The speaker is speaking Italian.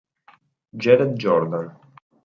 Jared Jordan